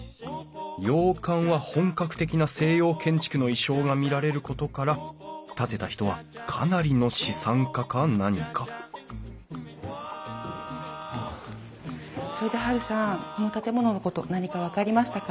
洋館は本格的な西洋建築の意匠が見られることから建てた人はかなりの資産家か何かそれでハルさんこの建物のこと何か分かりましたか？